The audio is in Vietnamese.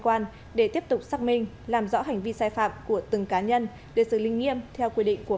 quan để tiếp tục xác minh làm rõ hành vi sai phạm của từng cá nhân để xử lý nghiêm theo quy định của